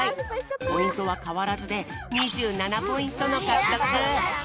ポイントはかわらずで２７ポイントのかくとく！